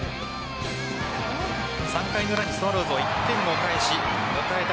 ３回の裏にスワローズ、１点を返し迎えた